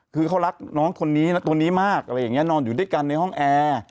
คือเขารักน้องคนนี้นะตัวนี้มากอะไรอย่างนี้นอนอยู่ด้วยกันในห้องแอร์